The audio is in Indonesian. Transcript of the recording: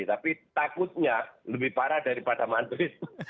tapi takutnya lebih parah daripada madrid